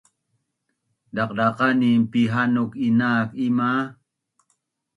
Daqdaqanin pihanuk inaak ima